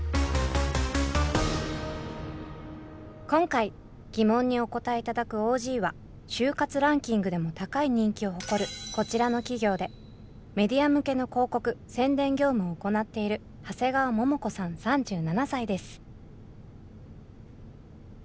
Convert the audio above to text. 今回ギモンにお答えいただくＯＧは就活ランキングでも高い人気を誇るこちらの企業でメディア向けの広告・宣伝業務を行っている長谷川桃子さん３７歳です。